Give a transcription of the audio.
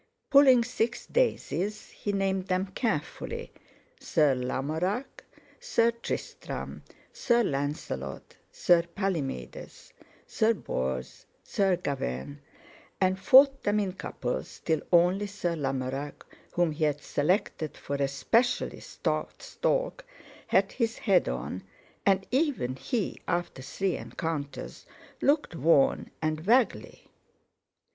Pulling six daisies he named them carefully, Sir Lamorac, Sir Tristram, Sir Lancelot, Sir Palimedes, Sir Bors, Sir Gawain, and fought them in couples till only Sir Lamorac, whom he had selected for a specially stout stalk, had his head on, and even he, after three encounters, looked worn and waggly.